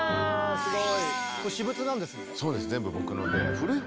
すごい。